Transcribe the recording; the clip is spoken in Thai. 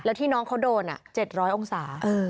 แล้วที่น้องเขาโดน๗๐๐องศา